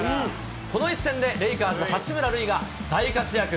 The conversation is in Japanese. この一戦でレイカーズ、八村塁が大活躍。